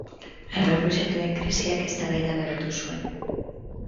Errefuxiatuen krisiak eztabaida berotu zuen.